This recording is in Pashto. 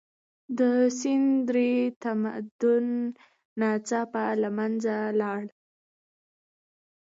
د سند درې تمدن ناڅاپه له منځه لاړ.